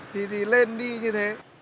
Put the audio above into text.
thì thì lên đi như thế